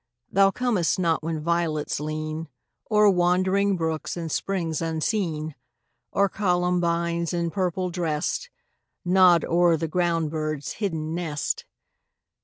Thou comest not when violets lean O'er wandering brooks and springs unseen, Or columbines, in purple dressed, Nod o'er the ground bird's hidden nest.